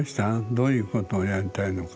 どういうことをやりたいのか。